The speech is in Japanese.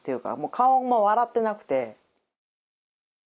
顔も笑ってなくて。